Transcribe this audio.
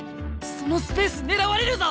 そのスペース狙われるぞ！